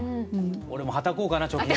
俺もはたこうかな貯金。